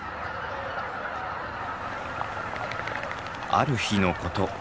ある日のこと。